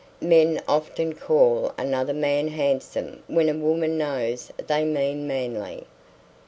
Men often call another man handsome when a woman knows they mean manly.